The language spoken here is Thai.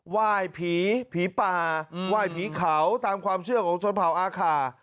ไหว้ผีผีป่าไหว้ผีเขาตามความเชื่อของชนเผาอาคา